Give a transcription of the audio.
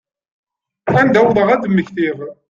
Anda wwḍeɣ ad d-mmektiɣ.